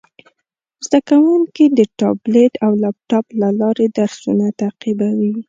زده کوونکي د ټابلیټ او لپټاپ له لارې درسونه تعقیبوي.